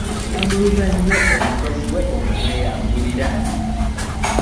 Kyamuluma nnyo omukoziwe okumwabulira.